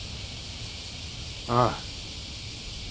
ああ。